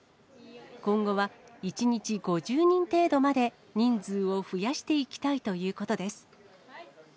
今後は１日５０人程度まで人数を増やしていきたいということです。